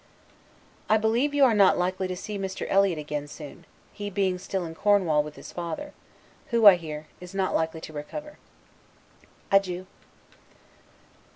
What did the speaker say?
I believe you are not likely to see Mr. Eliot again soon, he being still in Cornwall with his father; who, I hear, is not likely to recover. Adieu.